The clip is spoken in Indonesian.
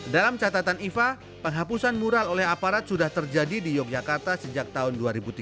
dalam catatan iva penghapusan mural oleh aparat sudah terjadi di yogyakarta sejak tahun dua ribu tiga belas